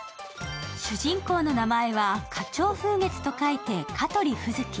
主人公の名前は花鳥風月と書いて、かとりふづき。